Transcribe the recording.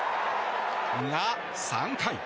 が、３回。